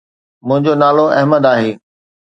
منهنجو نالو احمد آھي.